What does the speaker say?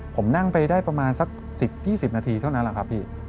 ผมนั่งไปได้ประมาณสัก๑๐๒๐นาทีเท่านั้นแหละครับพี่